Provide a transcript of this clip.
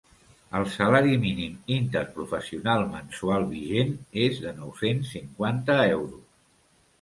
El salari mínim interprofessional mensual vigent és de nou-cents cinquanta euros.